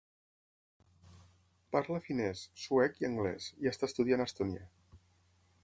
Parla finès, suec i anglès, i està estudiant estonià.